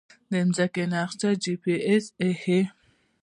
د ځمکې نقشه جی پي اس ښيي